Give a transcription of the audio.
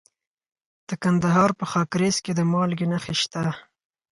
د کندهار په خاکریز کې د مالګې نښې شته.